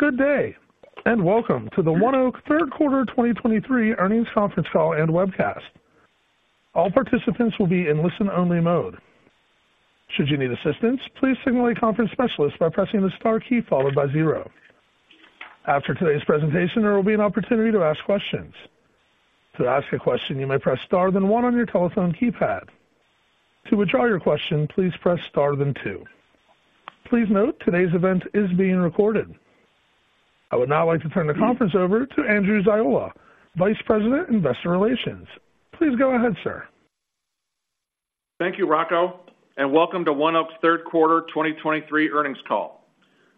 Good day, and welcome to the ONEOK Q3 2023 earnings conference call and webcast. All participants will be in listen-only mode. Should you need assistance, please signal a conference specialist by pressing the star key followed by zero. After today's presentation, there will be an opportunity to ask questions. To ask a question, you may press star, then one on your telephone keypad. To withdraw your question, please press star, then two. Please note, today's event is being recorded. I would now like to turn the conference over to Andrew Ziola, Vice President, Investor Relations. Please go ahead, sir. Thank you, Rocco, and welcome to ONEOK's Q3 2023 earnings call.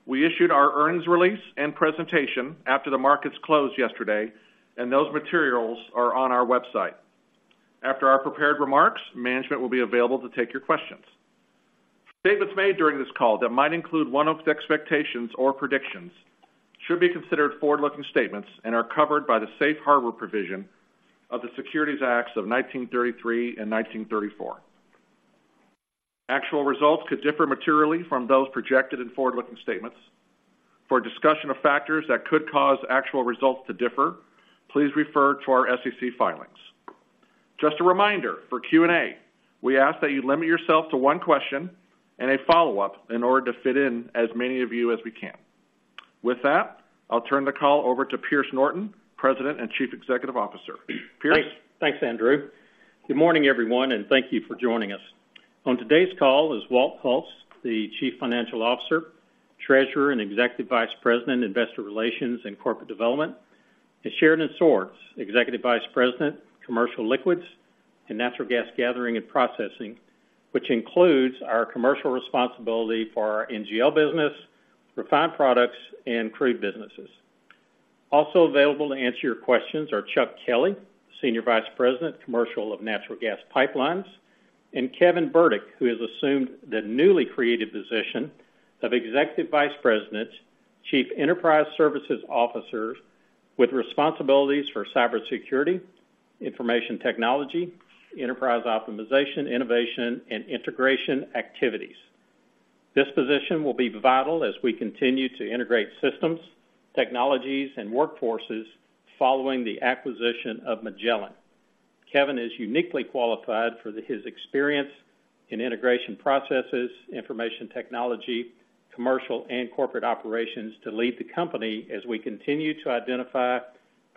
We issued our earnings release and presentation after the markets closed yesterday, and those materials are on our website. After our prepared remarks, management will be available to take your questions. Statements made during this call that might include ONEOK's expectations or predictions should be considered forward-looking statements and are covered by the safe harbor provision of the Securities Acts of 1933 and 1934. Actual results could differ materially from those projected in forward-looking statements. For a discussion of factors that could cause actual results to differ, please refer to our SEC filings. Just a reminder, for Q&A, we ask that you limit yourself to one question and a follow-up in order to fit in as many of you as we can. With that, I'll turn the call over to Pierce Norton, President and Chief Executive Officer. Pierce? Thanks, Andrew. Good morning, everyone, and thank you for joining us. On today's call is Walt Hulse, the Chief Financial Officer, Treasurer and Executive Vice President, Investor Relations and Corporate Development, and Sheridan Swords, Executive Vice President, Commercial Liquids and Natural Gas Gathering and Processing, which includes our commercial responsibility for our NGL business, refined products, and crude businesses. Also available to answer your questions are Chuck Kelley, Senior Vice President, Commercial of Natural Gas Pipelines, and Kevin Burdick, who has assumed the newly created position of Executive Vice President, Chief Enterprise Services Officer, with responsibilities for cybersecurity, information technology, enterprise optimization, innovation, and integration activities. This position will be vital as we continue to integrate systems, technologies, and workforces following the acquisition of Magellan. Kevin is uniquely qualified for his experience in integration processes, information technology, commercial and corporate operations to lead the company as we continue to identify,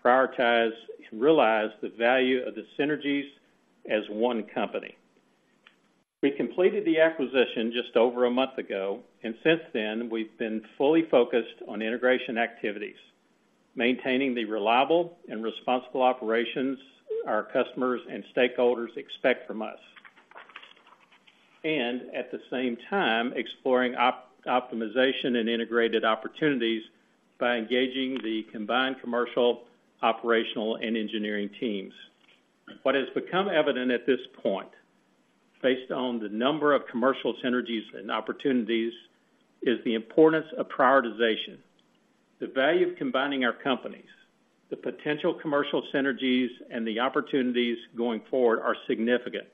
prioritize, and realize the value of the synergies as one company. We completed the acquisition just over a month ago, and since then, we've been fully focused on integration activities, maintaining the reliable and responsible operations our customers and stakeholders expect from us, and at the same time, exploring optimization and integrated opportunities by engaging the combined commercial, operational, and engineering teams. What has become evident at this point, based on the number of commercial synergies and opportunities, is the importance of prioritization. The value of combining our companies, the potential commercial synergies, and the opportunities going forward are significant.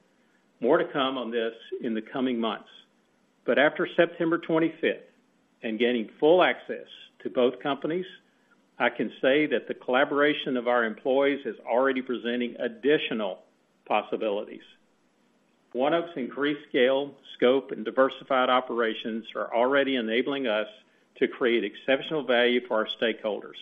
More to come on this in the coming months. After September 25th and gaining full access to both companies, I can say that the collaboration of our employees is already presenting additional possibilities. ONEOK's increased scale, scope, and diversified operations are already enabling us to create exceptional value for our stakeholders.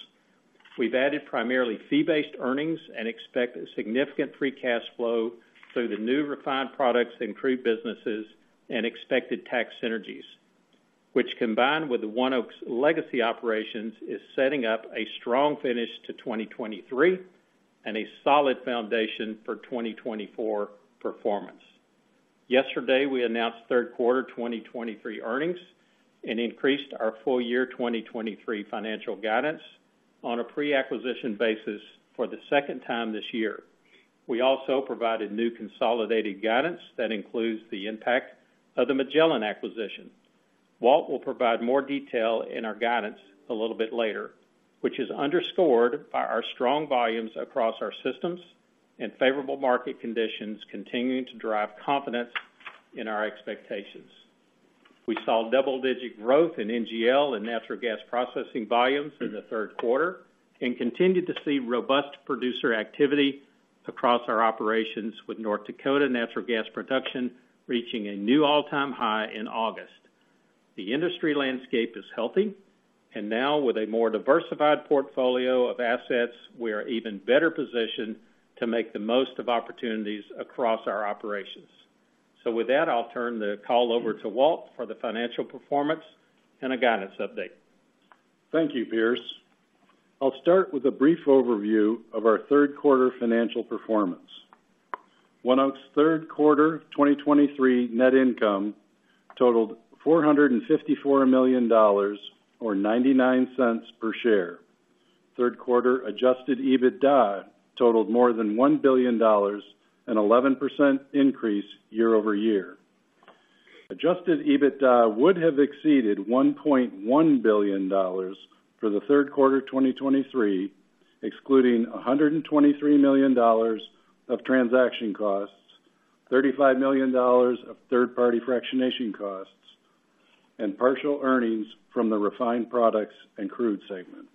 We've added primarily fee-based earnings and expect a significant free cash flow through the new refined products and crude businesses and expected tax synergies, which, combined with ONEOK's legacy operations, is setting up a strong finish to 2023 and a solid foundation for 2024 performance. Yesterday, we announced Q3 2023 earnings and increased our full year 2023 financial guidance on a pre-acquisition basis for the second time this year. We also provided new consolidated guidance that includes the impact of the Magellan acquisition. Walt will provide more detail in our guidance a little bit later, which is underscored by our strong volumes across our systems and favorable market conditions continuing to drive confidence in our expectations. We saw double-digit growth in NGL and natural gas processing volumes in the Q3 and continued to see robust producer activity across our operations with North Dakota natural gas production reaching a new all-time high in August. The industry landscape is healthy, and now with a more diversified portfolio of assets, we are even better positioned to make the most of opportunities across our operations. So with that, I'll turn the call over to Walt for the financial performance and a guidance update. Thank you, Pierce. I'll start with a brief overview of our Q3 financial performance. ONEOK's Q3 2023 net income totaled $454 million or $0.99 per share. Q3 Adjusted EBITDA totaled more than $1 billion, an 11% increase year-over-year. Adjusted EBITDA would have exceeded $1.1 billion for the Q3 2023, excluding $123 million of transaction costs, $35 million of third-party fractionation costs and partial earnings from the refined products and crude segment.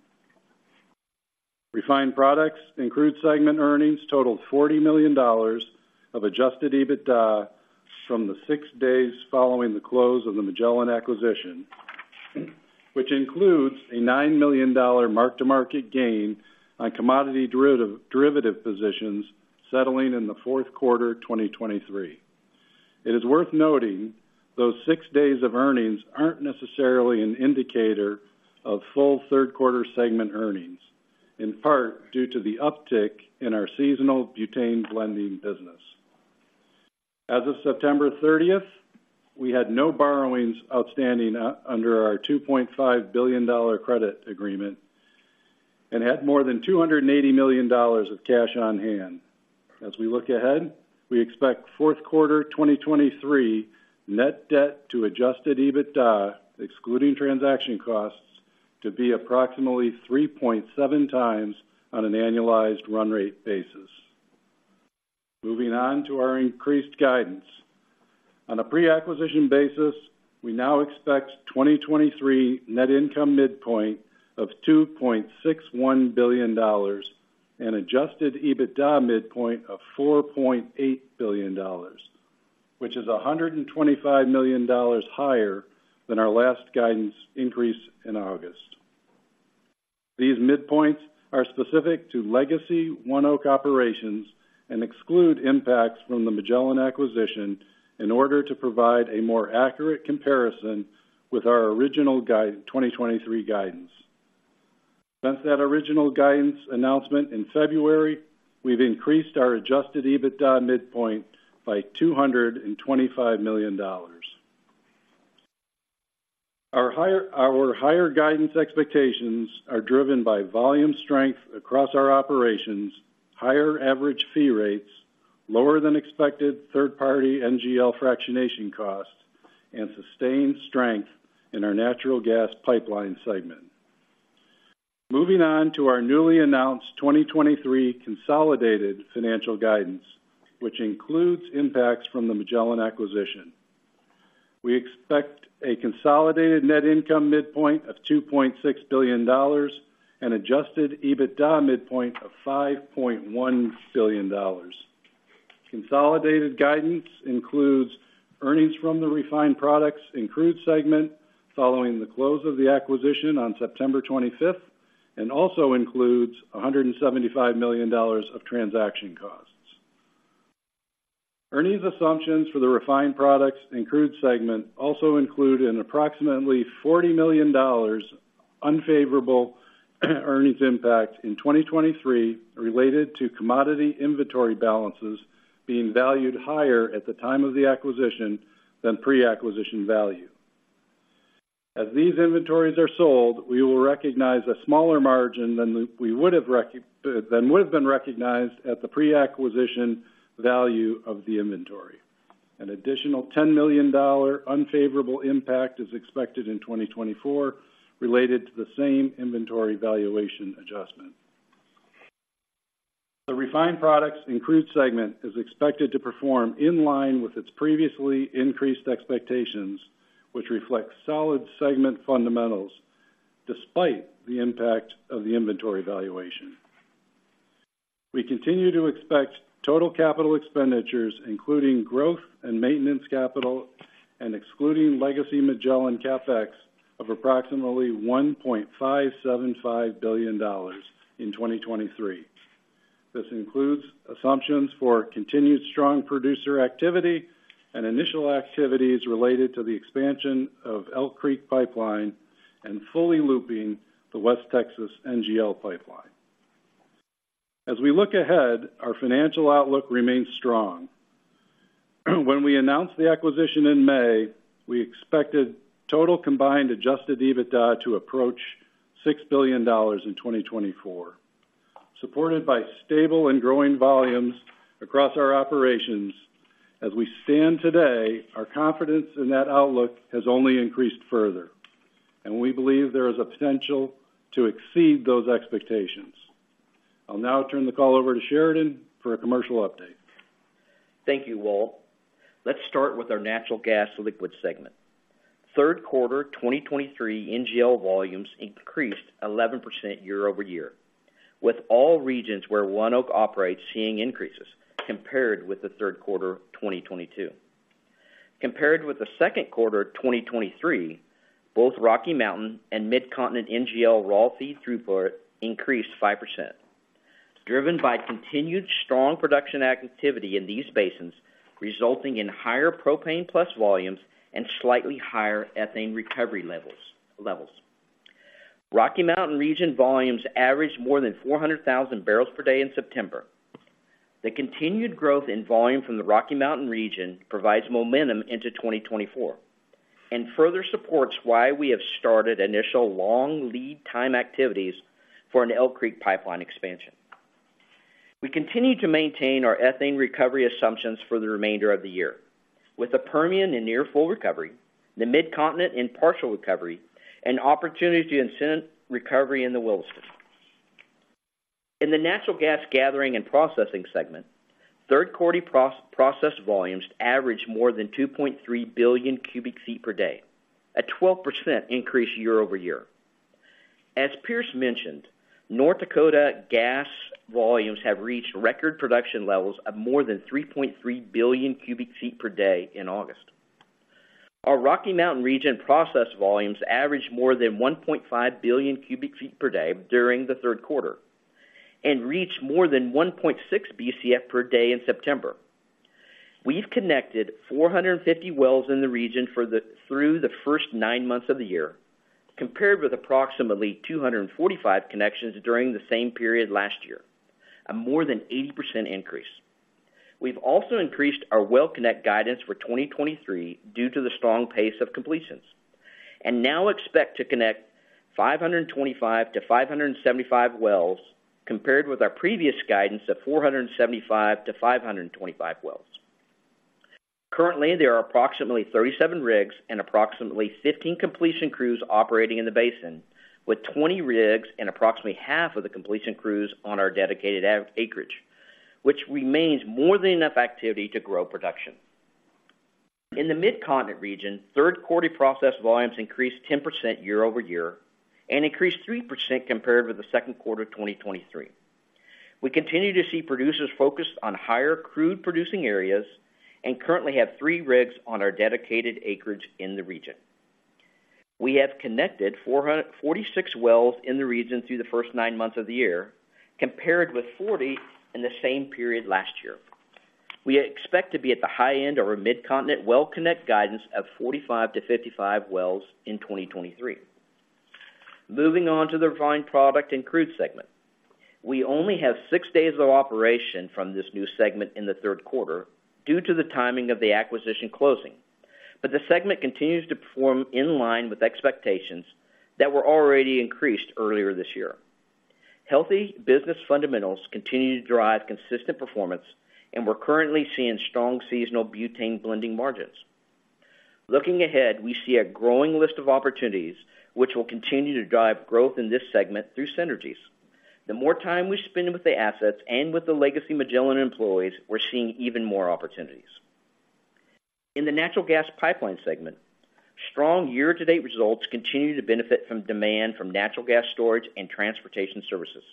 Refined products and crude segment earnings totaled $40 million of Adjusted EBITDA from the six days following the close of the Magellan acquisition, which includes a $9 million mark-to-market gain on commodity derivative positions settling in the Q4 2023. It is worth noting, those six days of earnings aren't necessarily an indicator of full Q3 segment earnings, in part due to the uptick in our seasonal butane blending business. As of September 30th, we had no borrowings outstanding under our $2.5 billion credit agreement and had more than $280 million of cash on hand. As we look ahead, we expect Q4 2023 net debt to Adjusted EBITDA, excluding transaction costs, to be approximately 3.7x on an annualized run rate basis. Moving on to our increased guidance. On a pre-acquisition basis, we now expect 2023 net income midpoint of $2.61 billion and Adjusted EBITDA midpoint of $4.8 billion, which is $125 million higher than our last guidance increase in August. These midpoints are specific to legacy ONEOK operations and exclude impacts from the Magellan acquisition in order to provide a more accurate comparison with our original guidance, 2023 guidance. Since that original guidance announcement in February, we've increased our Adjusted EBITDA midpoint by $225 million. Our higher guidance expectations are driven by volume strength across our operations, higher average fee rates, lower than expected third-party NGL fractionation costs, and sustained strength in our natural gas pipeline segment. Moving on to our newly announced 2023 consolidated financial guidance, which includes impacts from the Magellan acquisition. We expect a consolidated net income midpoint of $2.6 billion and Adjusted EBITDA midpoint of $5.1 billion. Consolidated guidance includes earnings from the refined products and crude segment following the close of the acquisition on September 25, and also includes $175 million of transaction costs. Earnings assumptions for the refined products and crude segment also include an approximately $40 million unfavorable earnings impact in 2023, related to commodity inventory balances being valued higher at the time of the acquisition than pre-acquisition value. As these inventories are sold, we will recognize a smaller margin than would have been recognized at the pre-acquisition value of the inventory. An additional $10 million unfavorable impact is expected in 2024, related to the same inventory valuation adjustment. The refined products and crude segment is expected to perform in line with its previously increased expectations, which reflect solid segment fundamentals despite the impact of the inventory valuation. We continue to expect total capital expenditures, including growth and maintenance capital, and excluding legacy Magellan CapEx, of approximately $1.575 billion in 2023. This includes assumptions for continued strong producer activity and initial activities related to the expansion of Elk Creek Pipeline and fully looping the West Texas NGL Pipeline. As we look ahead, our financial outlook remains strong. When we announced the acquisition in May, we expected total combined Adjusted EBITDA to approach $6 billion in 2024, supported by stable and growing volumes across our operations. As we stand today, our confidence in that outlook has only increased further, and we believe there is a potential to exceed those expectations. I'll now turn the call over to Sheridan for a commercial update. Thank you, Walt. Let's start with our natural gas liquids segment. Q3 2023 NGL volumes increased 11% year-over-year, with all regions where ONEOK operates seeing increases compared with the Q3 of 2022. Compared with the Q2 of 2023, both Rocky Mountain and Mid-Continent NGL raw feed throughput increased 5%, driven by continued strong production activity in these basins, resulting in higher propane plus volumes and slightly higher ethane recovery levels. Rocky Mountain Region volumes averaged more than 400,000 barrels per day in September. The continued growth in volume from the Rocky Mountain region provides momentum into 2024, and further supports why we have started initial long lead time activities for an Elk Creek Pipeline expansion. We continue to maintain our ethane recovery assumptions for the remainder of the year, with the Permian and near full recovery, the Mid-Continent in partial recovery, and opportunity to incent recovery in the Williston.... In the natural gas gathering and processing segment, Q3 processed volumes averaged more than 2.3 billion cubic feet per day, a 12% increase year-over-year. As Pierce mentioned, North Dakota gas volumes have reached record production levels of more than 3.3 billion cubic feet per day in August. Our Rocky Mountain region processed volumes averaged more than 1.5 billion cubic feet per day during the Q3 and reached more than 1.6 BCF per day in September. We've connected 450 wells in the region through the first nine months of the year, compared with approximately 245 connections during the same period last year, a more than 80% increase. We've also increased our well connect guidance for 2023 due to the strong pace of completions, and now expect to connect 525-575 wells, compared with our previous guidance of 475-525 wells. Currently, there are approximately 37 rigs and approximately 15 completion crews operating in the basin, with 20 rigs and approximately half of the completion crews on our dedicated acreage, which remains more than enough activity to grow production. In the Mid-Continent region, Q3 processed volumes increased 10% year-over-year and increased 3% compared with the Q2 of 2023. We continue to see producers focused on higher crude-producing areas and currently have 3 rigs on our dedicated acreage in the region. We have connected 446 wells in the region through the first 9 months of the year, compared with 40 in the same period last year. We expect to be at the high end of our Mid-Continent well connect guidance of 45-55 wells in 2023. Moving on to the refined product and crude segment. We only have 6 days of operation from this new segment in the Q3 due to the timing of the acquisition closing, but the segment continues to perform in line with expectations that were already increased earlier this year. Healthy business fundamentals continue to drive consistent performance, and we're currently seeing strong seasonal butane blending margins. Looking ahead, we see a growing list of opportunities, which will continue to drive growth in this segment through synergies. The more time we spend with the assets and with the legacy Magellan employees, we're seeing even more opportunities. In the natural gas pipeline segment, strong year-to-date results continue to benefit from demand for natural gas storage and transportation services,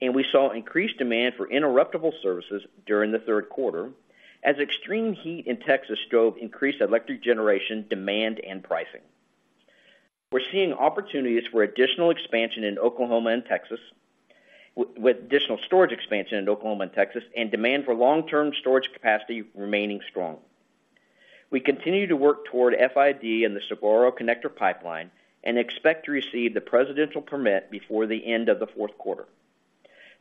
and we saw increased demand for interruptible services during the Q3, as extreme heat in Texas drove increased electric generation demand and pricing. We're seeing opportunities for additional expansion in Oklahoma and Texas with additional storage expansion in Oklahoma and Texas, and demand for long-term storage capacity remaining strong. We continue to work toward FID and the Saguaro Connector Pipeline and expect to receive the Presidential permit before the end of the Q4.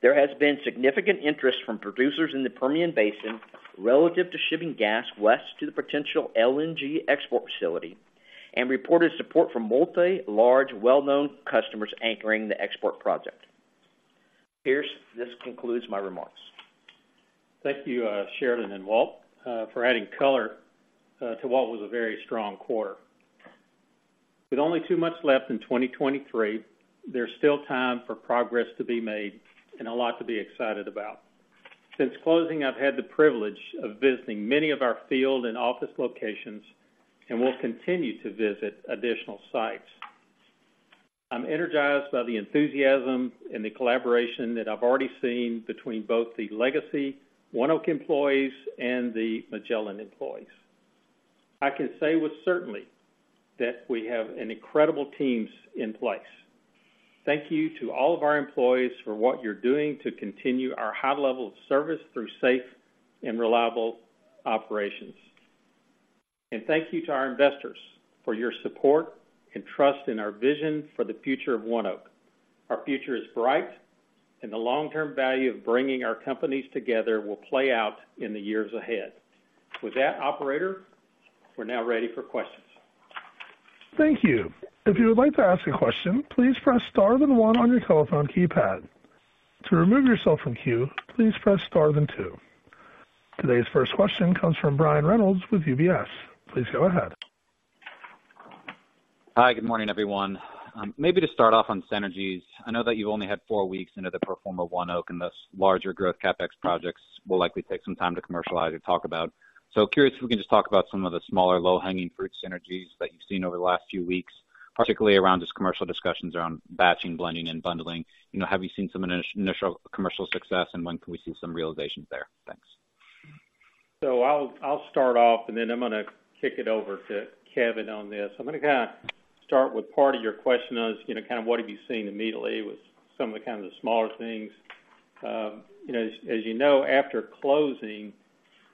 There has been significant interest from producers in the Permian Basin relative to shipping gas west to the potential LNG export facility and reported support from multiple large, well-known customers anchoring the export project. Pierce, this concludes my remarks. Thank you, Sheridan and Walt, for adding color to what was a very strong quarter. With only two months left in 2023, there's still time for progress to be made and a lot to be excited about. Since closing, I've had the privilege of visiting many of our field and office locations, and we'll continue to visit additional sites. I'm energized by the enthusiasm and the collaboration that I've already seen between both the legacy ONEOK employees and the Magellan employees. I can say with certainty that we have an incredible team in place. Thank you to all of our employees for what you're doing to continue our high level of service through safe and reliable operations. Thank you to our investors for your support and trust in our vision for the future of ONEOK. Our future is bright, and the long-term value of bringing our companies together will play out in the years ahead. With that, operator, we're now ready for questions. Thank you. If you would like to ask a question, please press Star then one on your telephone keypad. To remove yourself from queue, please press Star then two. Today's first question comes from Brian Reynolds with UBS. Please go ahead. Hi, good morning, everyone. Maybe to start off on synergies, I know that you've only had four weeks into the pro forma ONEOK, and those larger growth CapEx projects will likely take some time to commercialize and talk about. So curious if we can just talk about some of the smaller, low-hanging fruit synergies that you've seen over the last few weeks, particularly around just commercial discussions around batching, blending, and bundling. You know, have you seen some initial, initial commercial success, and when can we see some realizations there? Thanks. So I'll start off, and then I'm gonna kick it over to Kevin on this. I'm gonna kind of start with part of your question on, you know, kind of what have you seen immediately with some of the kind of the smaller things. You know, as you know, after closing,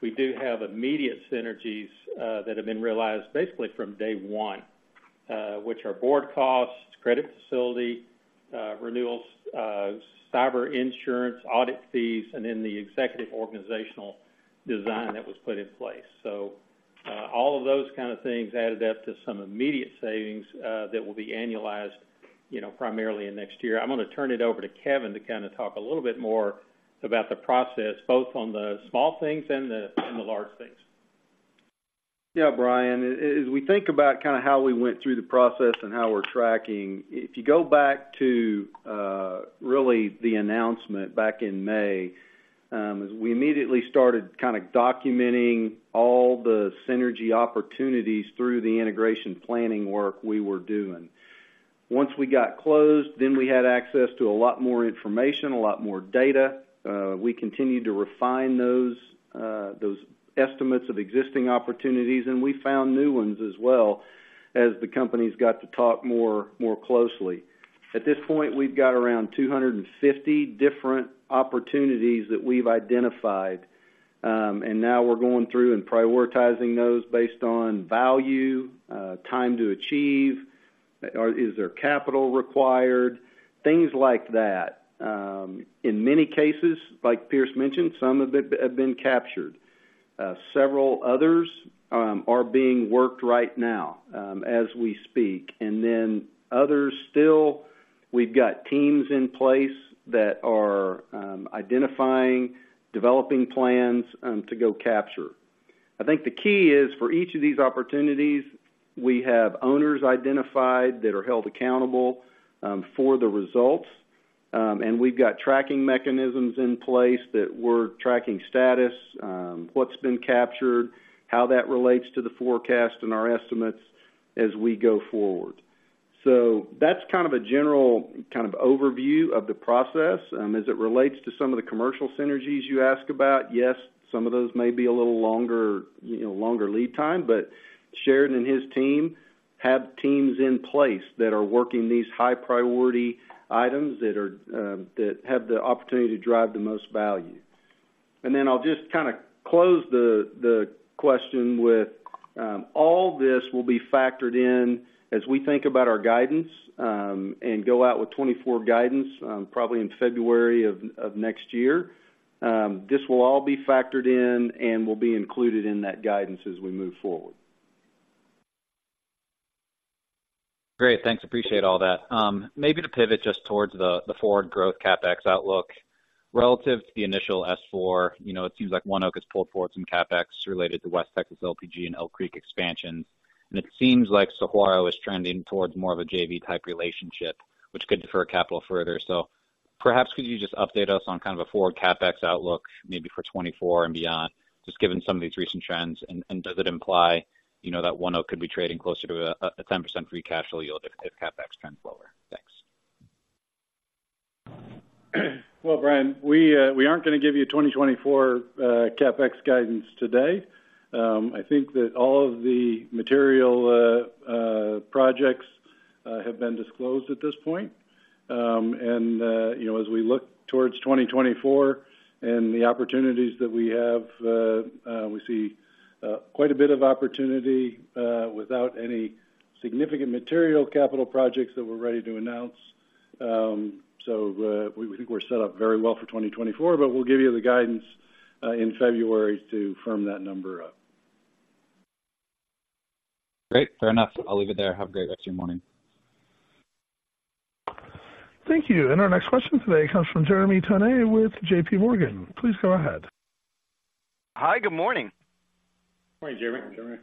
we do have immediate synergies that have been realized basically from day one, which are board costs, credit facility renewals, cyber insurance, audit fees, and then the executive organizational design that was put in place. So, all of those kind of things added up to some immediate savings that will be annualized, you know, primarily in next year. I'm gonna turn it over to Kevin to kind of talk a little bit more about the process, both on the small things and the large things.... Yeah, Brian, as we think about kind of how we went through the process and how we're tracking, if you go back to, really the announcement back in May, we immediately started kind of documenting all the synergy opportunities through the integration planning work we were doing. Once we got closed, then we had access to a lot more information, a lot more data. We continued to refine those estimates of existing opportunities, and we found new ones as well as the companies got to talk more, more closely. At this point, we've got around 250 different opportunities that we've identified, and now we're going through and prioritizing those based on value, time to achieve, or is there capital required? Things like that. In many cases, like Pierce mentioned, some of it have been captured. Several others are being worked right now, as we speak. And then others still, we've got teams in place that are identifying, developing plans to go capture. I think the key is, for each of these opportunities, we have owners identified that are held accountable for the results. And we've got tracking mechanisms in place that we're tracking status, what's been captured, how that relates to the forecast and our estimates as we go forward. So that's kind of a general kind of overview of the process. As it relates to some of the commercial synergies you ask about, yes, some of those may be a little longer, you know, longer lead time, but Sheridan and his team have teams in place that are working these high priority items that have the opportunity to drive the most value. And then I'll just kind of close the question with all this will be factored in as we think about our guidance, and go out with 2024 guidance, probably in February of next year. This will all be factored in and will be included in that guidance as we move forward. Great, thanks. Appreciate all that. Maybe to pivot just towards the forward growth CapEx outlook. Relative to the initial S-4, you know, it seems like ONEOK has pulled forward some CapEx related to West Texas LPG and Elk Creek expansions. And it seems like Saguaro is trending towards more of a JV-type relationship, which could defer capital further. So perhaps could you just update us on kind of a forward CapEx outlook, maybe for 2024 and beyond, just given some of these recent trends, and does it imply, you know, that ONEOK could be trading closer to a 10% free cash flow yield if CapEx trends lower? Thanks. Well, Brian, we aren't going to give you 2024 CapEx guidance today. I think that all of the material projects have been disclosed at this point. And you know, as we look towards 2024 and the opportunities that we have, we see quite a bit of opportunity without any significant material capital projects that we're ready to announce. So, we think we're set up very well for 2024, but we'll give you the guidance in February to firm that number up. Great. Fair enough. I'll leave it there. Have a great rest of your morning. Thank you. And our next question today comes from Jeremy Tonet with JPMorgan. Please go ahead. Hi, good morning. Morning, Jeremy.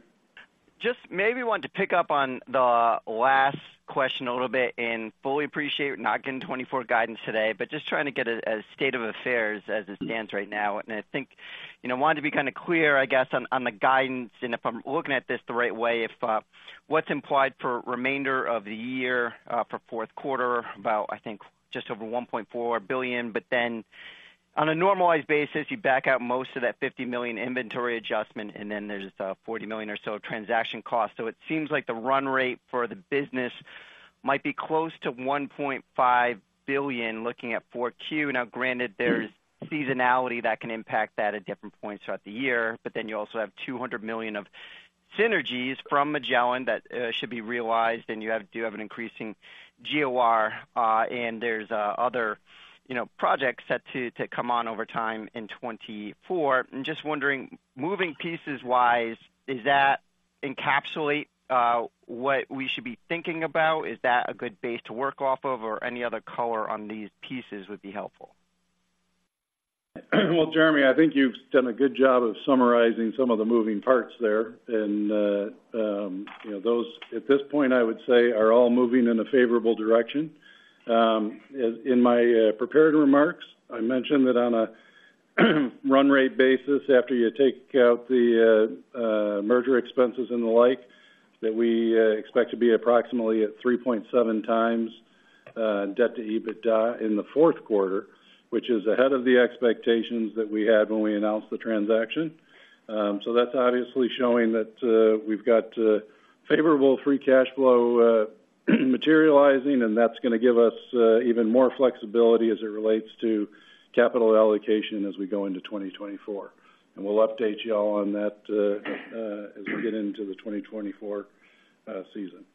Just maybe want to pick up on the last question a little bit, and fully appreciate we're not getting 2024 guidance today, but just trying to get a state of affairs as it stands right now. And I think, you know, wanted to be kind of clear, I guess, on the guidance and if I'm looking at this the right way, if what's implied for remainder of the year for Q4, about, I think, just over $1.4 billion. But then on a normalized basis, you back out most of that $50 million inventory adjustment, and then there's $40 million or so of transaction costs. So it seems like the run rate for the business might be close to $1.5 billion, looking at Q4. Now, granted, there's seasonality that can impact that at different points throughout the year, but then you also have $200 million of synergies from Magellan that should be realized, and you do have an increasing GOR, and there's other, you know, projects set to come on over time in 2024. I'm just wondering, moving pieces-wise, does that encapsulate what we should be thinking about? Is that a good base to work off of, or any other color on these pieces would be helpful. Well, Jeremy, I think you've done a good job of summarizing some of the moving parts there. And, you know, those, at this point, I would say, are all moving in a favorable direction. In my prepared remarks, I mentioned that on a run rate basis, after you take out the merger expenses and the like, that we expect to be approximately at 3.7 times debt to EBITDA in the Q4, which is ahead of the expectations that we had when we announced the transaction. So that's obviously showing that we've got favorable free cash flow materializing, and that's gonna give us even more flexibility as it relates to capital allocation as we go into 2024. We'll update you all on that as we get into the 2024 season.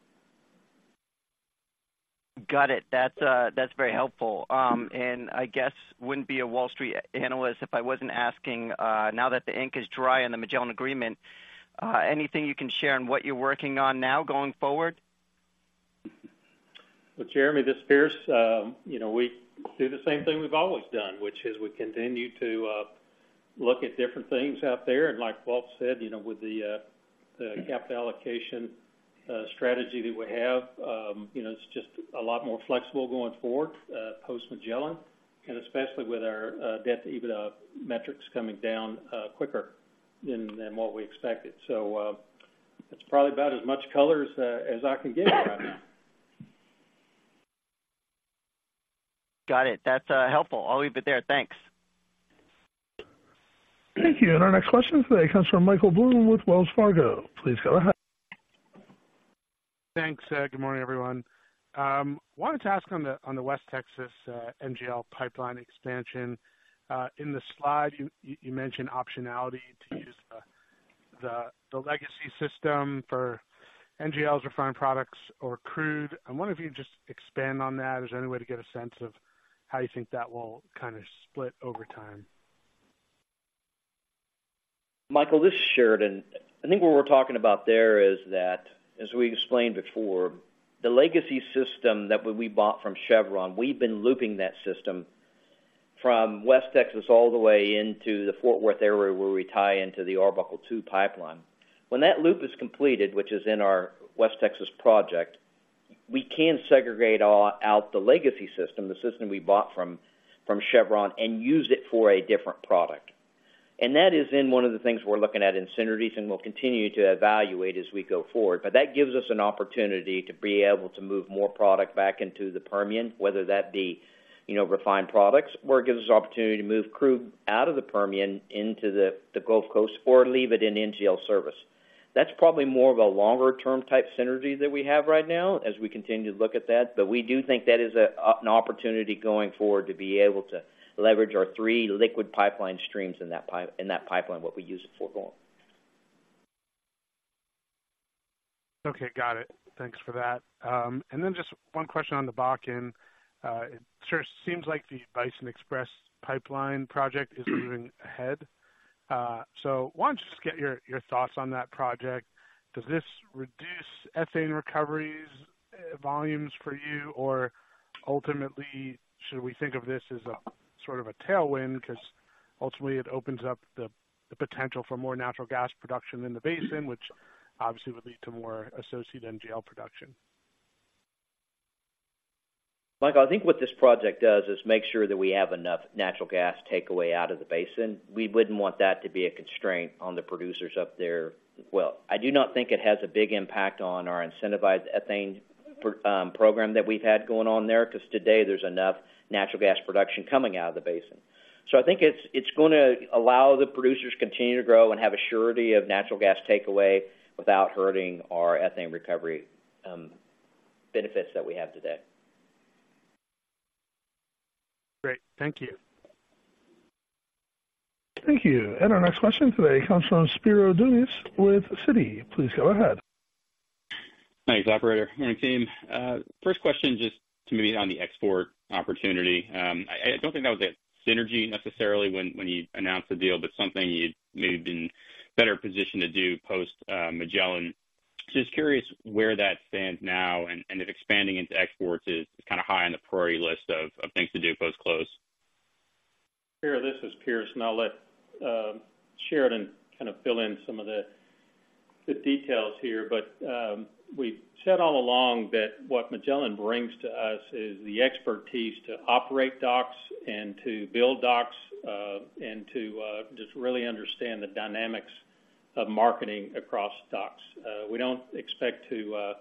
Got it. That's very helpful. And I guess wouldn't be a Wall Street analyst if I wasn't asking, now that the ink is dry on the Magellan agreement, anything you can share on what you're working on now going forward? ... Well, Jeremy, this is Pierce. You know, we do the same thing we've always done, which is we continue to look at different things out there. And like Walt said, you know, with the capital allocation strategy that we have, you know, it's just a lot more flexible going forward post Magellan, and especially with our debt-to-EBITDA metrics coming down quicker than what we expected. So that's probably about as much color as I can give you right now. Got it. That's helpful. I'll leave it there. Thanks. Thank you. And our next question today comes from Michael Blum with Wells Fargo. Please go ahead. Thanks. Good morning, everyone. Wanted to ask on the West Texas NGL Pipeline expansion. In the slide, you mentioned optionality to use the legacy system for NGLs, refined products or crude. I wonder if you could just expand on that. Is there any way to get a sense of how you think that will kind of split over time? Michael, this is Sheridan. I think what we're talking about there is that, as we explained before, the legacy system that when we bought from Chevron, we've been looping that system from West Texas all the way into the Fort Worth area, where we tie into the Arbuckle II Pipeline When that loop is completed, which is in our West Texas project, we can segregate all out the legacy system, the system we bought from, from Chevron, and use it for a different product. And that is in one of the things we're looking at in synergies, and we'll continue to evaluate as we go forward. But that gives us an opportunity to be able to move more product back into the Permian, whether that be, you know, refined products, or it gives us an opportunity to move crude out of the Permian into the Gulf Coast or leave it in NGL service. That's probably more of a longer-term type synergy that we have right now, as we continue to look at that. But we do think that is an opportunity going forward to be able to leverage our three liquid pipeline streams in that pipeline, what we use it for going. Okay, got it. Thanks for that. And then just one question on the Bakken. It sure seems like the Bison XPress Pipeline project is moving ahead. So why don't you just get your, your thoughts on that project? Does this reduce ethane recoveries, volumes for you? Or ultimately, should we think of this as a sort of a tailwind? Because ultimately, it opens up the, the potential for more natural gas production in the basin, which obviously would lead to more associated NGL production. Michael, I think what this project does is make sure that we have enough natural gas takeaway out of the basin. We wouldn't want that to be a constraint on the producers up there as well. I do not think it has a big impact on our incentivized ethane program that we've had going on there, because today there's enough natural gas production coming out of the basin. So I think it's going to allow the producers to continue to grow and have a surety of natural gas takeaway without hurting our ethane recovery benefits that we have today. Great. Thank you. Thank you. Our next question today comes from Spiro Dounis with Citi. Please go ahead. Thanks, operator. Morning, team. First question, just to me on the export opportunity. I don't think that was a synergy necessarily when you announced the deal, but something you'd maybe been better positioned to do post Magellan. So just curious where that stands now and if expanding into exports is kind of high on the priority list of things to do post-close. Spiro, this is Pierce, and I'll let Sheridan kind of fill in some of the details here. But we've said all along that what Magellan brings to us is the expertise to operate docks and to build docks, and to just really understand the dynamics of marketing across docks. We don't expect to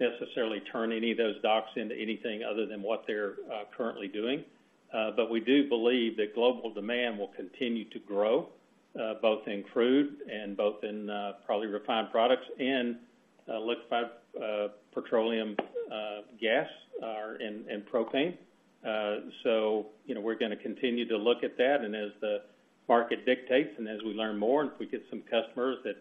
necessarily turn any of those docks into anything other than what they're currently doing. But we do believe that global demand will continue to grow, both in crude and both in probably refined products and liquefied petroleum gas, and propane. So, you know, we're gonna continue to look at that. And as the market dictates and as we learn more, and if we get some customers that,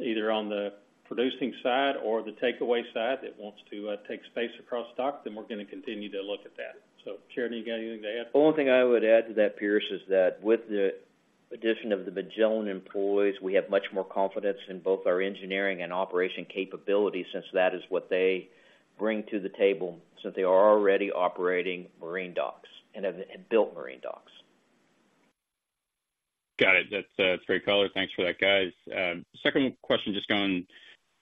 either on the producing side or the takeaway side, that wants to, take space across dock, then we're gonna continue to look at that. So Sheridan, you got anything to add? The only thing I would add to that, Pierce, is that with the addition of the Magellan employees, we have much more confidence in both our engineering and operation capabilities, since that is what they bring to the table, since they are already operating marine docks and have built marine docks. Got it. That's great color. Thanks for that, guys. Second question, just going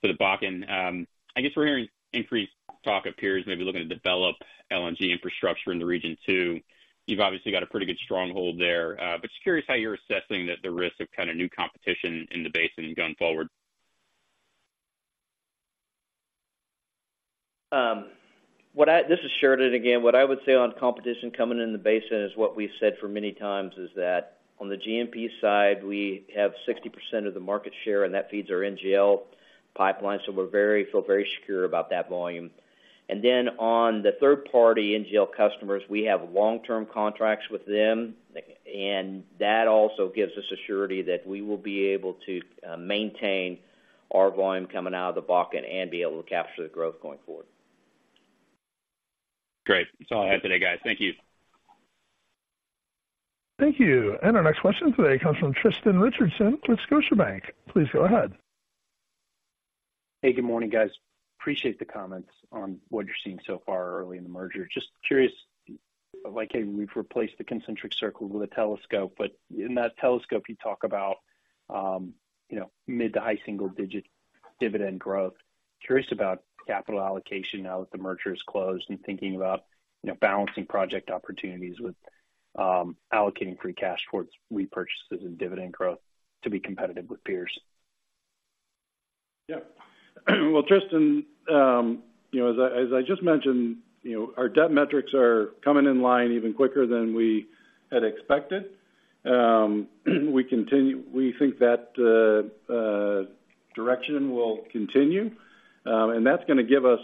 to the Bakken. I guess we're hearing increased talk appears maybe looking to develop LNG infrastructure in the region, too. You've obviously got a pretty good stronghold there. But just curious how you're assessing the risk of kind of new competition in the basin going forward. This is Sheridan again. What I would say on competition coming in the basin is what we've said for many times, is that on the G&P side, we have 60% of the market share, and that feeds our NGL pipeline, so we feel very secure about that volume. And then on the third-party NGL customers, we have long-term contracts with them, and that also gives us assurance that we will be able to maintain our volume coming out of the Bakken and be able to capture the growth going forward. Great. That's all I have today, guys. Thank you. Thank you. And our next question today comes from Tristan Richardson with Scotiabank. Please go ahead. Hey, good morning, guys. Appreciate the comments on what you're seeing so far early in the merger. Just curious, like, hey, we've replaced the concentric circle with a telescope, but in that telescope, you talk about, you know, mid to high single-digit dividend growth. Curious about capital allocation now that the merger is closed and thinking about, you know, balancing project opportunities with, allocating free cash towards repurchases and dividend growth to be competitive with peers? Yeah. Well, Tristan, you know, as I just mentioned, you know, our debt metrics are coming in line even quicker than we had expected. We continue—we think that direction will continue, and that's gonna give us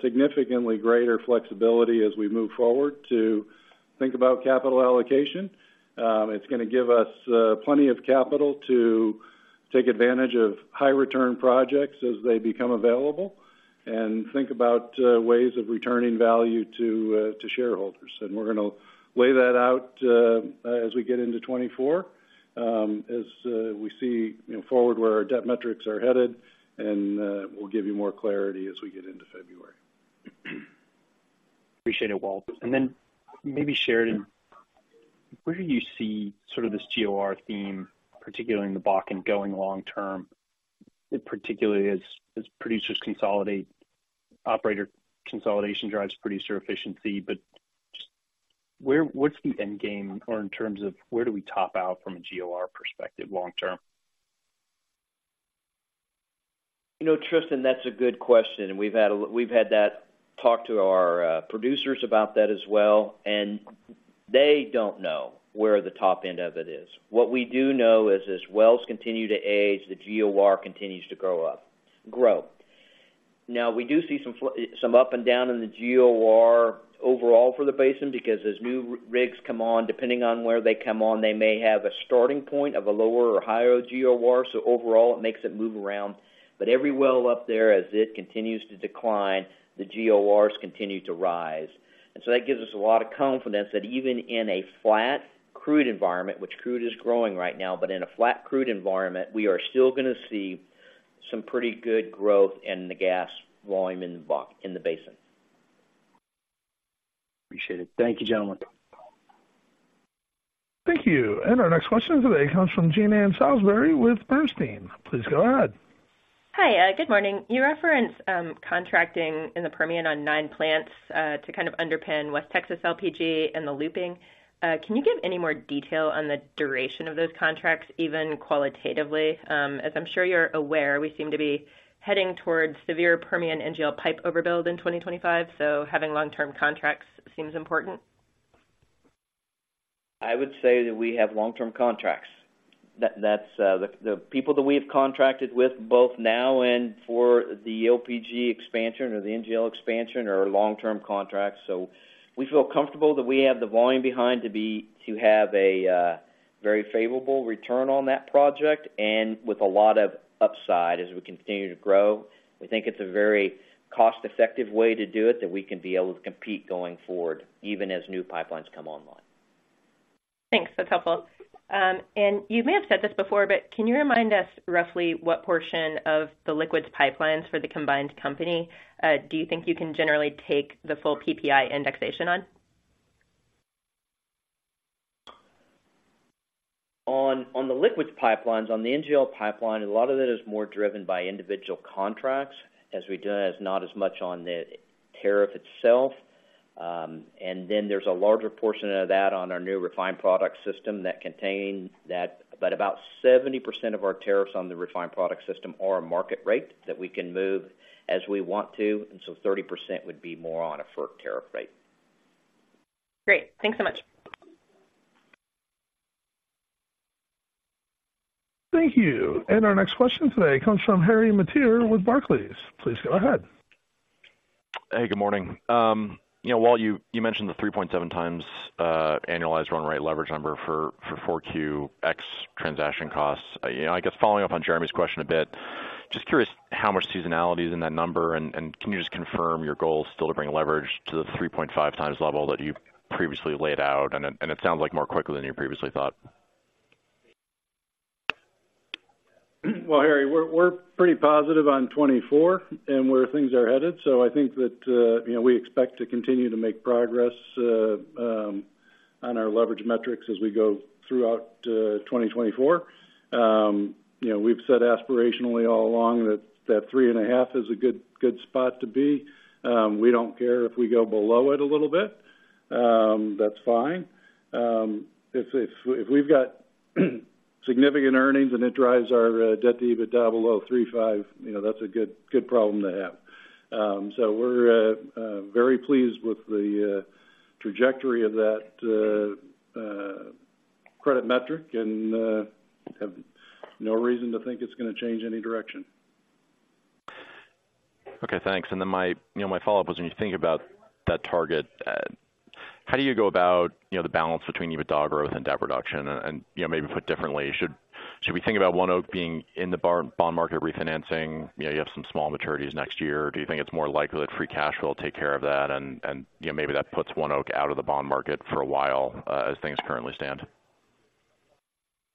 significantly greater flexibility as we move forward to think about capital allocation. It's gonna give us plenty of capital to take advantage of high return projects as they become available and think about ways of returning value to shareholders. And we're gonna lay that out as we get into 2024, as we see, you know, forward where our debt metrics are headed, and we'll give you more clarity as we get into February. Appreciate it, Walt. And then maybe, Sheridan, where do you see sort of this GOR theme, particularly in the Bakken, going long term, particularly as, as producers consolidate... Operator consolidation drives producer efficiency, but just where, what's the end game or in terms of where do we top out from a GOR perspective long term? You know, Tristan, that's a good question, and we've had that talk to our producers about that as well, and they don't know where the top end of it is. What we do know is, as wells continue to age, the GOR continues to go up, grow. Now, we do see some up and down in the GOR overall for the basin, because as new rigs come on, depending on where they come on, they may have a starting point of a lower or higher GOR, so overall, it makes it move around. But every well up there, as it continues to decline, the GORs continue to rise. And so that gives us a lot of confidence that even in a flat crude environment, which crude is growing right now, but in a flat crude environment, we are still gonna see some pretty good growth in the gas volume in the Bakken, in the basin. Appreciate it. Thank you, gentlemen. Thank you. Our next question today comes from Jean Ann Salisbury with Bernstein. Please go ahead. Hi, good morning. You referenced contracting in the Permian on nine plants to kind of underpin West Texas LPG and the looping. Can you give any more detail on the duration of those contracts, even qualitatively? As I'm sure you're aware, we seem to be heading towards severe Permian NGL pipe overbuild in 2025, so having long-term contracts seems important. I would say that we have long-term contracts. That, that's the people that we've contracted with, both now and for the LPG expansion or the NGL expansion, are long-term contracts. So we feel comfortable that we have the volume behind to have a very favorable return on that project and with a lot of upside as we continue to grow. We think it's a very cost-effective way to do it, that we can be able to compete going forward, even as new pipelines come online. Thanks. That's helpful. You may have said this before, but can you remind us roughly what portion of the liquids pipelines for the combined company do you think you can generally take the full PPI indexation on? On the liquids pipelines, on the NGL pipeline, a lot of it is more driven by individual contracts as we do it, as not as much on the tariff itself. And then there's a larger portion of that on our new refined product system that contain that. But about 70% of our tariffs on the refined product system are a market rate that we can move as we want to, and so 30% would be more on a firm tariff rate. Great. Thanks so much. Thank you. Our next question today comes from Harry Mateer with Barclays. Please go ahead. Hey, good morning. You know, Walt, you mentioned the 3.7x annualized run rate leverage number for 4Q ex transaction costs. You know, I guess following up on Jeremy's question a bit, just curious how much seasonality is in that number, and can you just confirm your goal is still to bring leverage to the 3.5x level that you've previously laid out? And it sounds like more quickly than you previously thought. Well, Harry, we're pretty positive on 2024 and where things are headed, so I think that you know, we expect to continue to make progress on our leverage metrics as we go throughout 2024. You know, we've said aspirationally all along that 3.5 is a good spot to be. We don't care if we go below it a little bit. That's fine. If we've got significant earnings and it drives our debt to EBITDA below 3.5, you know, that's a good problem to have. So we're very pleased with the trajectory of that credit metric and have no reason to think it's gonna change any direction. Okay, thanks. And then my, you know, my follow-up was, when you think about that target, how do you go about, you know, the balance between EBITDA growth and debt reduction? And, you know, maybe put differently, should- Should we think about ONEOK being in the bond market refinancing? You know, you have some small maturities next year. Do you think it's more likely that free cash flow will take care of that, you know, maybe that puts ONEOK out of the bond market for a while, as things currently stand?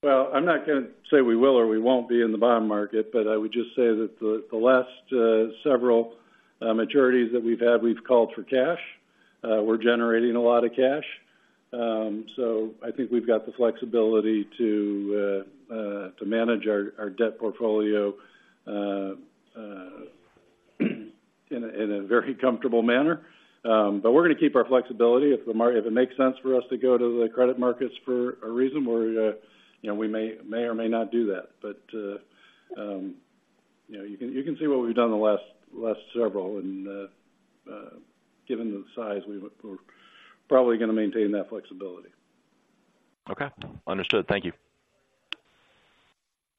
Well, I'm not gonna say we will or we won't be in the bond market, but I would just say that the last several maturities that we've had, we've called for cash. We're generating a lot of cash. So I think we've got the flexibility to manage our debt portfolio in a very comfortable manner. But we're gonna keep our flexibility. If the mar- if it makes sense for us to go to the credit markets for a reason, we're, you know, we may or may not do that. But, you know, you can see what we've done in the last several, and given the size, we would. We're probably gonna maintain that flexibility. Okay, understood. Thank you.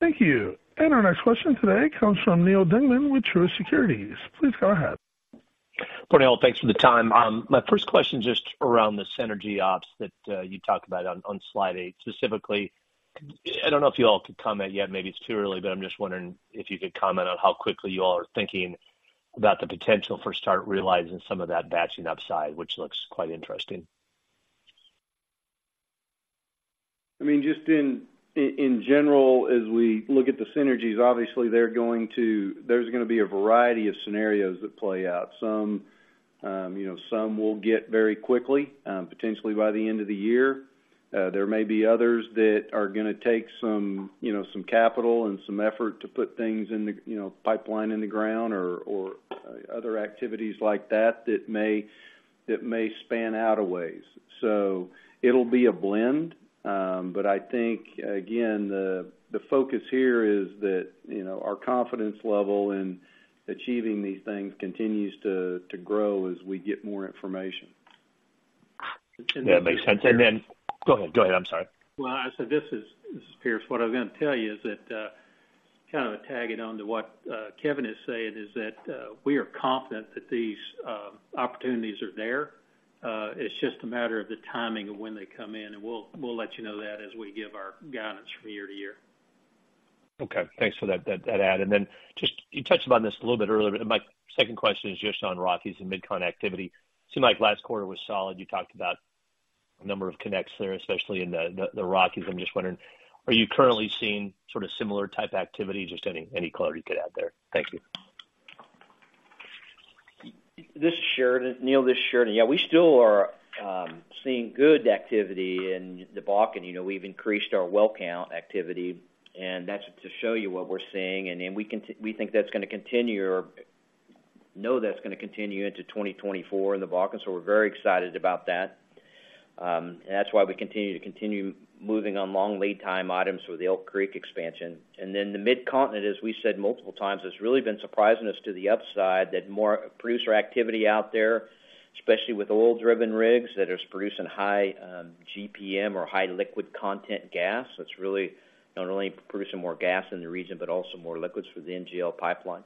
Thank you. Our next question today comes from Neil Dingmann with Truist Securities. Please go ahead. Good morning, all. Thanks for the time. My first question is just around the synergy ops that you talked about on slide eight. Specifically, I don't know if you all could comment yet, maybe it's too early, but I'm just wondering if you could comment on how quickly you all are thinking about the potential for start realizing some of that batching upside, which looks quite interesting. I mean, just in general, as we look at the synergies, obviously, there's gonna be a variety of scenarios that play out. Some, you know, some will get very quickly, potentially by the end of the year. There may be others that are gonna take some, you know, some capital and some effort to put things in the, you know, pipeline in the ground or other activities like that, that may span out a ways. So it'll be a blend. But I think, again, the focus here is that, you know, our confidence level in achieving these things continues to grow as we get more information. Yeah, makes sense. And then... Go ahead. Go ahead. I'm sorry. Well, this is Pierce. What I was gonna tell you is that, kind of to tag it on to what Kevin is saying, is that we are confident that these opportunities are there. It's just a matter of the timing of when they come in, and we'll let you know that as we give our guidance from year to year. Okay, thanks for that add. And then just, you touched upon this a little bit earlier, but my second question is just on Rockies and MidCon activity. Seemed like last quarter was solid. You talked about a number of connects there, especially in the Rockies. I'm just wondering, are you currently seeing sort of similar type activity? Just any color you could add there. Thank you. This is Sheridan. Neil, this is Sheridan. Yeah, we still are seeing good activity in the Bakken. You know, we've increased our well count activity, and that's to show you what we're seeing. And then we think that's gonna continue or know that's gonna continue into 2024 in the Bakken, so we're very excited about that. And that's why we continue to continue moving on long lead time items with the Elk Creek expansion. And then the Mid-Continent, as we said multiple times, has really been surprising us to the upside, that more producer activity out there, especially with oil-driven rigs that is producing high GPM or high liquid content gas. That's really not only producing more gas in the region, but also more liquids for the NGL pipeline.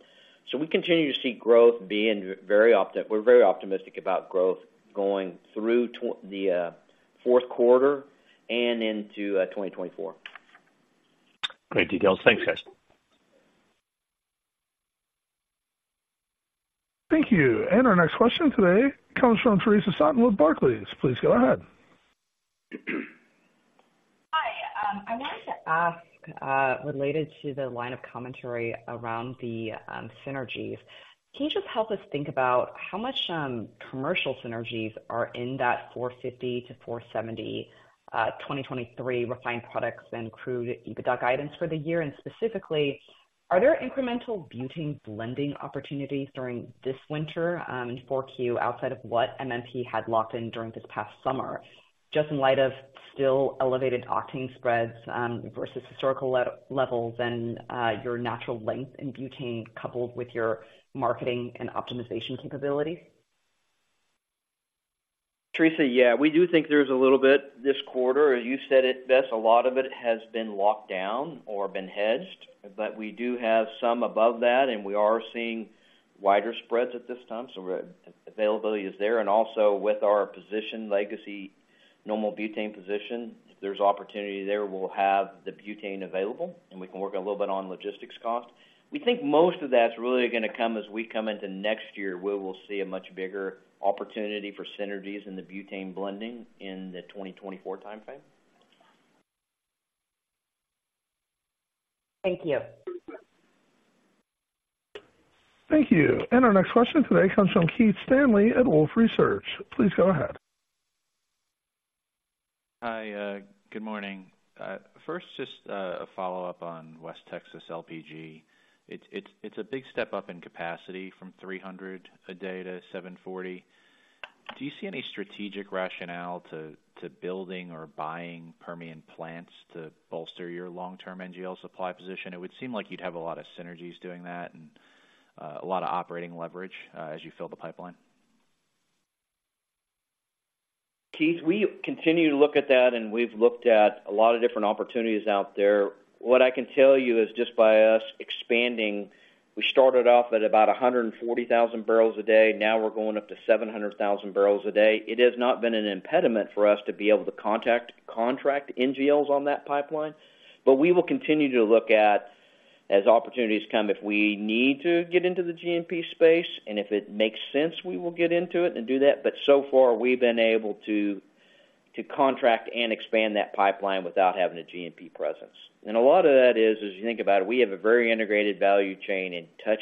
So we continue to see growth. We're very optimistic about growth going through the Q4 and into 2024. Great details. Thanks, guys. Thank you. And our next question today comes from Theresa Chen with Barclays. Please go ahead. Hi. I wanted to ask related to the line of commentary around the synergies. Can you just help us think about how much commercial synergies are in that $450-$470 2023 refined products and crude EBITDA guidance for the year? And specifically, are there incremental butane blending opportunities during this winter in 4Q, outside of what MMP had locked in during this past summer, just in light of still elevated octane spreads versus historical levels and your natural leverage in butane, coupled with your marketing and optimization capabilities? Theresa, yeah, we do think there's a little bit this quarter. As you said it best, a lot of it has been locked down or been hedged, but we do have some above that, and we are seeing wider spreads at this time, so availability is there. And also with our position legacy, normal butane position, if there's opportunity there, we'll have the butane available, and we can work a little bit on logistics cost. We think most of that's really gonna come as we come into next year, where we'll see a much bigger opportunity for synergies in the butane blending in the 2024 timeframe. Thank you. Thank you. Our next question today comes from Keith Stanley at Wolfe Research. Please go ahead. Hi, good morning. First, just a follow-up on West Texas LPG. It's a big step up in capacity from 300 a day to 740. Do you see any strategic rationale to building or buying Permian plants to bolster your long-term NGL supply position? It would seem like you'd have a lot of synergies doing that and a lot of operating leverage as you fill the pipeline. Keith, we continue to look at that, and we've looked at a lot of different opportunities out there. What I can tell you is, just by us expanding. We started off at about 140,000 barrels a day, now we're going up to 700,000 barrels a day. It has not been an impediment for us to be able to contract NGLs on that pipeline. But we will continue to look at, as opportunities come, if we need to get into the GNP space, and if it makes sense, we will get into it and do that. But so far, we've been able to, to contract and expand that pipeline without having a GNP presence. A lot of that is, as you think about it, we have a very integrated value chain and touch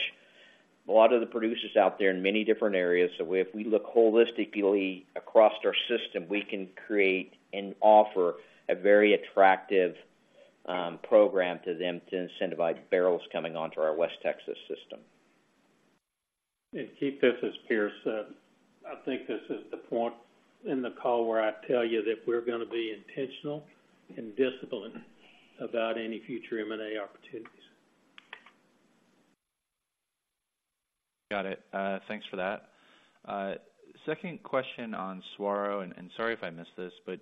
a lot of the producers out there in many different areas. If we look holistically across our system, we can create and offer a very attractive program to them to incentivize barrels coming onto our West Texas system. Keith, this is Pierce. I think this is the point in the call where I tell you that we're gonna be intentional and disciplined about any future M&A opportunities. Got it. Thanks for that. Second question on Saguaro, and sorry if I missed this, but,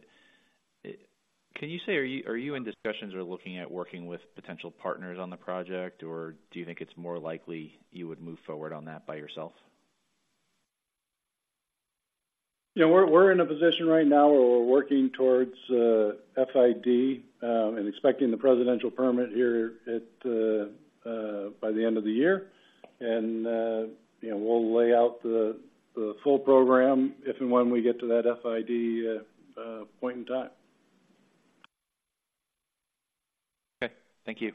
can you say, are you in discussions or looking at working with potential partners on the project? Or do you think it's more likely you would move forward on that by yourself? Yeah, we're in a position right now where we're working towards FID and expecting the Presidential permit here by the end of the year. You know, we'll lay out the full program if and when we get to that FID point in time. Okay, thank you.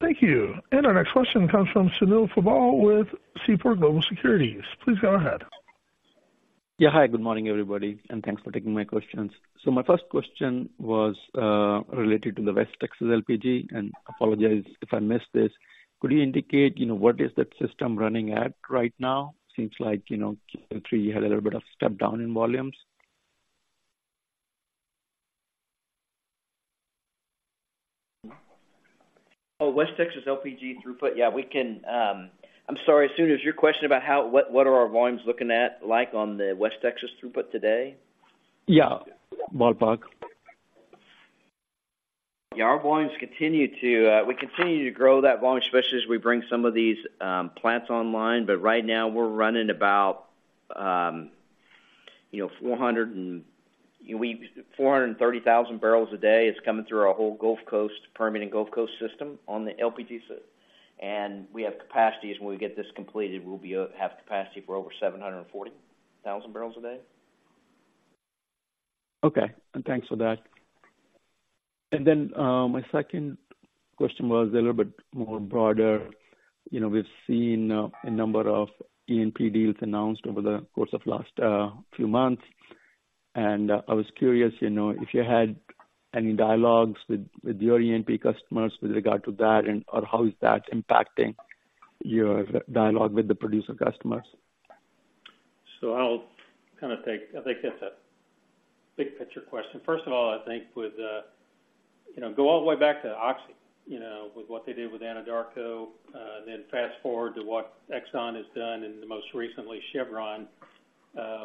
Thank you. Our next question comes from Sunil Sibal with Seaport Global Securities. Please go ahead. Yeah, hi, good morning, everybody, and thanks for taking my questions. So my first question was related to the West Texas LPG, and I apologize if I missed this. Could you indicate, you know, what is that system running at right now? Seems like, you know, Q3 had a little bit of step down in volumes. Oh, West Texas LPG throughput. Yeah, we can. I'm sorry, Sunil, is your question about how—what, what are our volumes looking at, like, on the West Texas throughput today? Yeah. Bakken. Yeah, our volumes continue to we continue to grow that volume, especially as we bring some of these plants online. But right now, we're running about, you know, 430,000 barrels a day is coming through our whole Permian Gulf Coast system on the LPG system. And we have capacities, when we get this completed, we'll be at half capacity for over 740,000 barrels a day. Okay, and thanks for that. And then, my second question was a little bit more broader. You know, we've seen, a number of E&P deals announced over the course of last, few months. And I was curious, you know, if you had any dialogues with, with your E&P customers with regard to that, and- or how is that impacting your dialogue with the producer customers? So I'll kind of take... I think that's a big picture question. First of all, I think with you know, go all the way back to Oxy, you know, with what they did with Anadarko, then fast-forward to what Exxon has done, and the most recently, Chevron.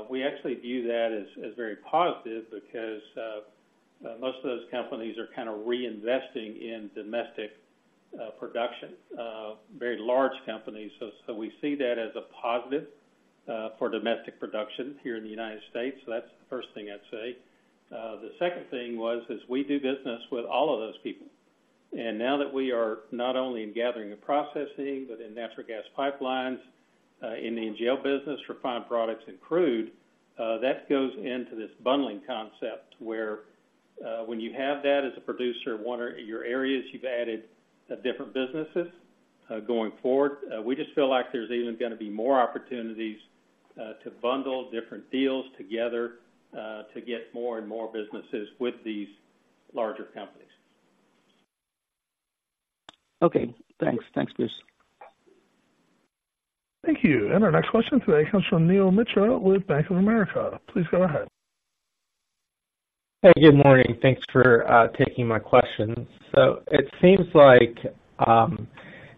We actually view that as, as very positive because, most of those companies are kind of reinvesting in domestic production, very large companies. So, so we see that as a positive, for domestic production here in the United States. So that's the first thing I'd say. The second thing was, is we do business with all of those people. Now that we are not only in gathering and processing, but in natural gas pipelines, in the NGL business, refined products and crude, that goes into this bundling concept, where, when you have that as a producer, one or your areas you've added, different businesses, going forward. We just feel like there's even gonna be more opportunities, to bundle different deals together, to get more and more businesses with these larger companies. Okay, thanks. Thanks, Pierce. Thank you. Our next question today comes from Neil Mehta with Bank of America. Please go ahead. Hey, good morning. Thanks for taking my question. So it seems like,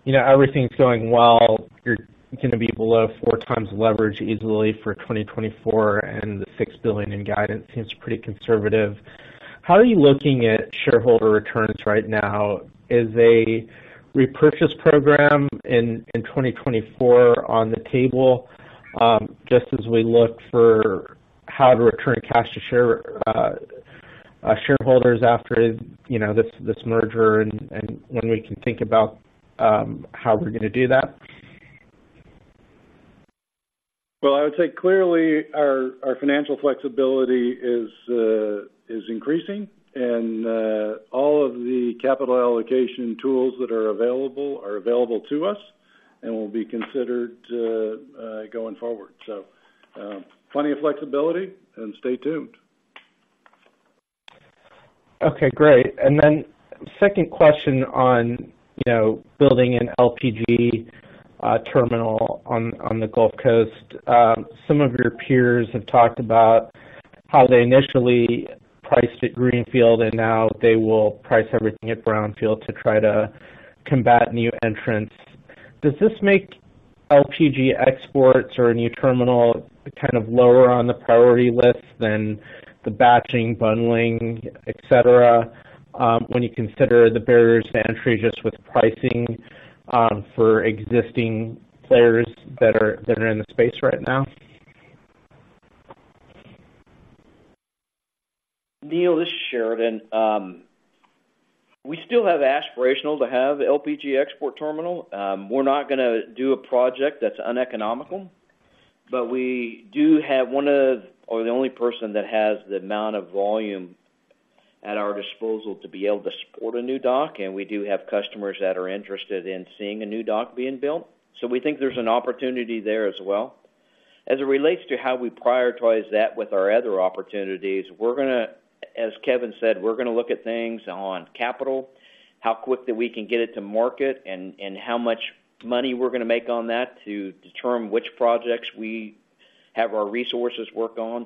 you know, everything's going well. You're gonna be below 4x leverage easily for 2024, and the $6 billion in guidance seems pretty conservative. How are you looking at shareholder returns right now? Is a repurchase program in 2024 on the table, just as we look for how to return cash to share, shareholders after, you know, this, this merger and, and when we can think about, how we're gonna do that? Well, I would say, clearly, our financial flexibility is increasing, and all of the capital allocation tools that are available are available to us and will be considered going forward. So, plenty of flexibility and stay tuned. Okay, great. And then second question on, you know, building an LPG terminal on the Gulf Coast. Some of your peers have talked about how they initially priced it greenfield, and now they will price everything at brownfield to try to combat new entrants. Does this make LPG exports or a new terminal kind of lower on the priority list than the batching, bundling, et cetera, when you consider the barriers to entry just with pricing for existing players that are in the space right now? Neil, this is Sheridan. We still have aspirational to have LPG export terminal. We're not gonna do a project that's uneconomical, but we do have one of, or the only person that has the amount of volume at our disposal to be able to support a new dock, and we do have customers that are interested in seeing a new dock being built. So we think there's an opportunity there as well. As it relates to how we prioritize that with our other opportunities, we're gonna, as Kevin said, we're gonna look at things on capital, how quick that we can get it to market, and, and how much money we're gonna make on that to determine which projects we have our resources work on.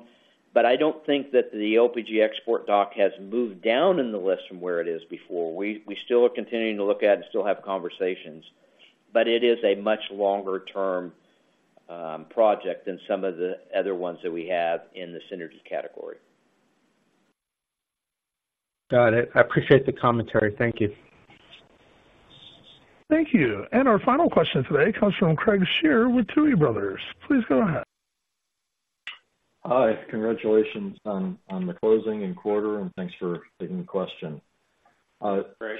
But I don't think that the LPG export dock has moved down in the list from where it is before. We, we still are continuing to look at and still have conversations, but it is a much longer term project than some of the other ones that we have in the synergy category. Got it. I appreciate the commentary. Thank you. Thank you. Our final question today comes from Craig Shere with Tuohy Brothers. Please go ahead. Hi, congratulations on the closing and quarter, and thanks for taking the question.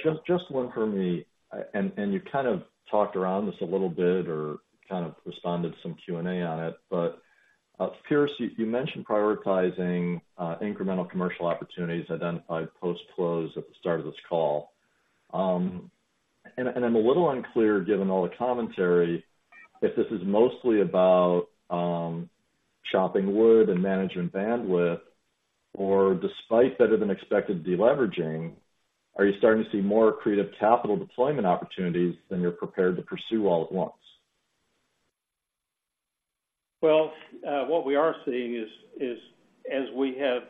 Just, just one for me. And, and you kind of talked around this a little bit or kind of responded to some Q&A on it. But, Pierce, you, you mentioned prioritizing incremental commercial opportunities identified post-close at the start of this call. And, and I'm a little unclear, given all the commentary, if this is mostly about chopping wood and management bandwidth, or despite better than expected deleveraging, are you starting to see more creative capital deployment opportunities than you're prepared to pursue all at once? Well, what we are seeing is as we have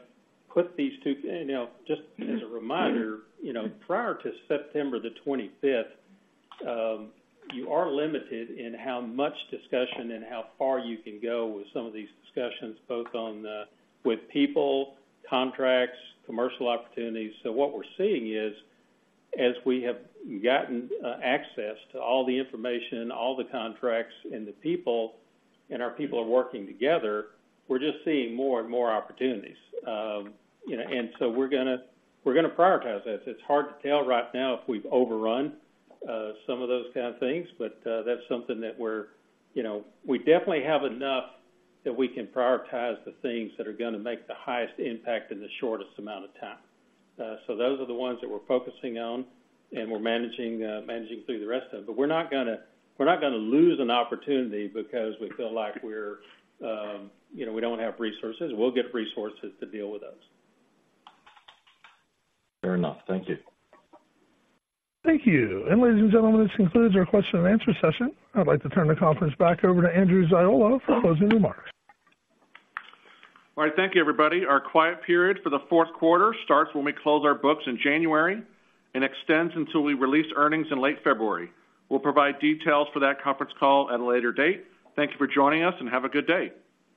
put these two... And, you know, just as a reminder, you know, prior to September 25, you are limited in how much discussion and how far you can go with some of these discussions, both with people, contracts, commercial opportunities. So what we're seeing is, as we have gotten access to all the information, all the contracts, and the people, and our people are working together, we're just seeing more and more opportunities. You know, and so we're gonna, we're gonna prioritize this. It's hard to tell right now if we've overrun some of those kind of things, but, that's something that we're, you know, we definitely have enough that we can prioritize the things that are gonna make the highest impact in the shortest amount of time. So those are the ones that we're focusing on, and we're managing through the rest of them. But we're not gonna lose an opportunity because we feel like we're, you know, we don't have resources. We'll get resources to deal with those. Fair enough. Thank you. Thank you. Ladies and gentlemen, this concludes our question and answer session. I'd like to turn the conference back over to Andrew Ziola for closing remarks. All right. Thank you, everybody. Our quiet period for the Q4 starts when we close our books in January and extends until we release earnings in late February. We'll provide details for that conference call at a later date. Thank you for joining us, and have a good day.